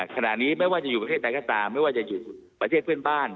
ขณะนี้ไม่ว่าจะอยู่ประเทศใดก็ตามไม่ว่าจะอยู่ประเทศเพื่อนบ้าน